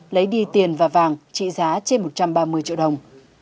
lấy đi tiền và vàng trị giá trên một trăm ba mươi triệu đồng